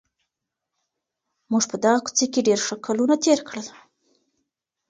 موږ په دغه کوڅې کي ډېر ښه کلونه تېر کړل.